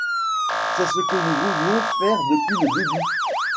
C'est ce que nous voulions faire depuis le début.